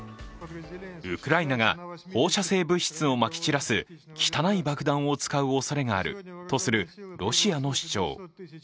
ウクライナが放射性物質をまき散らす汚い爆弾を使うおそれがあるというロシアの主張。